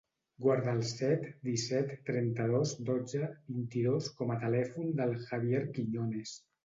Guarda el set, disset, trenta-dos, dotze, vint-i-dos com a telèfon del Javier Quiñones.